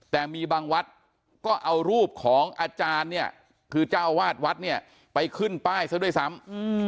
แต่มีบางวัดก็เอารูปของอาจารย์เนี่ยคือเจ้าวาดวัดเนี่ยไปขึ้นป้ายซะด้วยซ้ำ